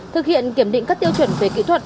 thực hiện kiểm định các tiêu chuẩn về kỹ thuật